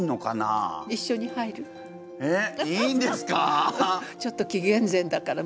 えっいいんですか？